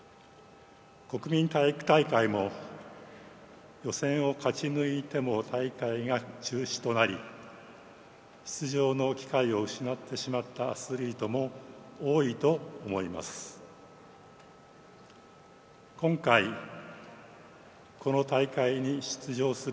国民体育大会も予選を勝ち抜いても大会が中止となり出場の機会を失ってしまったアスリートも多いと思います。